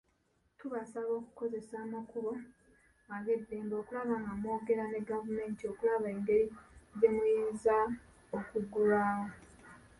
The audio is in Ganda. Tubasaba okukozesa amakubo ag'eddembe okulaba nga mwogera ne gavumenti okulaba egeri gyemuyinza okuggulwawo.